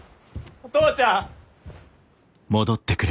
お父ちゃん！